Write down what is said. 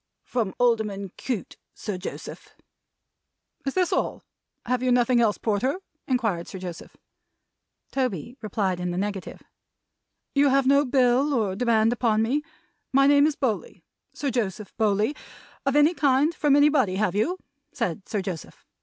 "From Alderman Cute, Sir Joseph." "Is this all? Have you nothing else, Porter?" inquired Sir Joseph. Toby replied in the negative. "You have no bill or demand upon me my name is Bowley, Sir Joseph Bowley of any kind from anybody, have you?" said Sir Joseph.